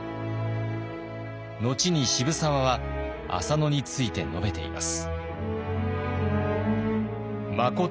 後に渋沢は浅野について述べています。